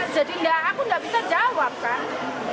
jadi aku nggak bisa jawab kan